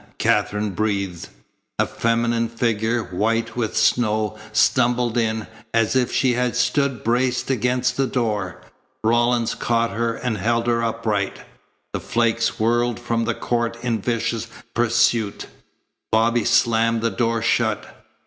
Katherine breathed. A feminine figure, white with snow, stumbled in, as if she had stood braced against the door. Rawlins caught her and held her upright. The flakes whirled from the court in vicious pursuit. Bobby slammed the door shut.